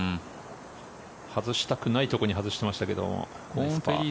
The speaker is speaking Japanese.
外したくないところに外していましたけどナイスパー。